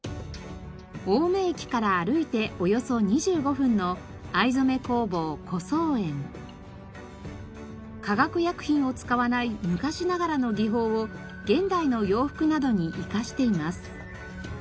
青梅駅から歩いておよそ２５分の化学薬品を使わない昔ながらの技法を現代の洋服などに生かしています。